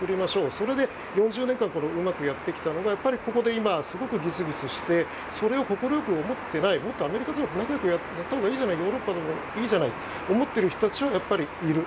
それで４０年間うまくやってきたのがここで、今すごくぎすぎすしてそれを快く思ってないアメリカとも仲良くやったほうがいいじゃないヨーロッパもいいじゃないと思っている人たちはやっぱりいる。